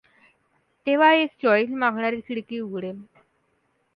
तेव्हा एक चॉइस मागणारी खिडकी उघडेल.